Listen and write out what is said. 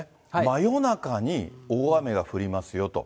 真夜中に大雨が降りますよと。